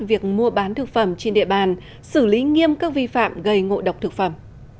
việc mua bán thực phẩm trên địa bàn xử lý nghiêm các vi phạm gây ngộ độc thực phẩm